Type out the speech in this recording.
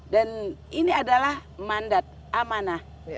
dan ini adalah mandat amanah